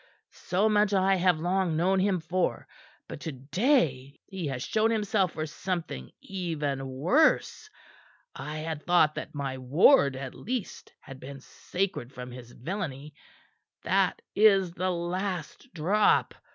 So much I have long known him for; but to day he has shown himself for something even worse. I had thought that my ward, at least, had been sacred from his villainy. That is the last drop.